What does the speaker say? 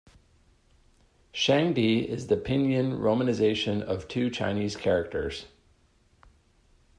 "Shang Di" is the pinyin romanization of two Chinese characters.